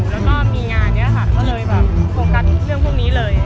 แล้วก็มีงานนี้ค่ะก็เลยแบบโฟกัสเรื่องพวกนี้เลย